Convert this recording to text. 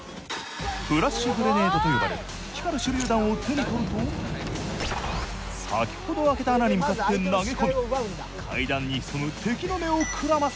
フラッシュグレネードと呼ばれる光る手榴弾を手に取ると先ほどあけた穴に向かって投げ込み階段に潜む敵の目を眩ます。